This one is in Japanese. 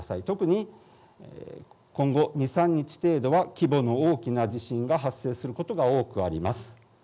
特に今後２、３日程度は規模の大きな地震が発生することが多くあります。